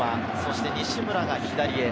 西村が左へ。